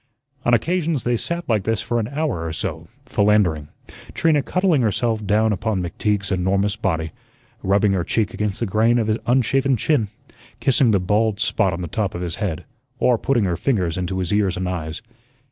On occasions they sat like this for an hour or so, "philandering," Trina cuddling herself down upon McTeague's enormous body, rubbing her cheek against the grain of his unshaven chin, kissing the bald spot on the top of his head, or putting her fingers into his ears and eyes.